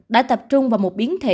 đã tập trung vào một biến thể